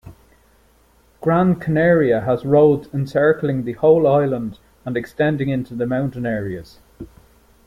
Gran Canaria has roads encircling the whole island and extending into the mountain areas.